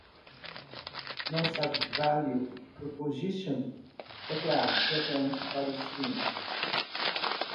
Nossa value proposition é clara e atraente para os clientes.